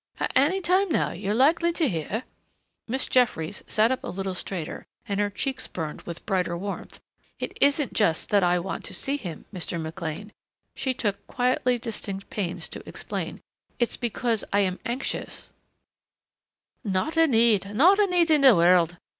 Any time, now; you're likely to hear " Miss Jeffries sat up a little straighter and her cheeks burned with brighter warmth. "It isn't just that I want to see him, Mr. McLean," she took quietly distinct pains to explain. "It's because I am anxious " "Not a need, not a need in the world.